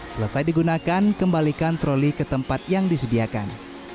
selesai digunakan kembalikan troli ke tempat yang disediakan